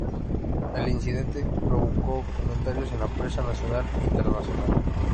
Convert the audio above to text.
El incidente provocó comentarios en la prensa nacional e internacional.